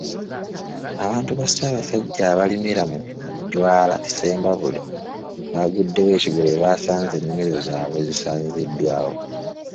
Abantu ba Ssaabasajja abalimira mu Mijwala Ssembabule, baaguddewo ekigwo bwe baasanze ennimiro zaabwe zisaanyiziddwawo.